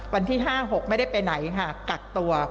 วันที่๕๖ไม่ได้ไปไหนค่ะกักตัว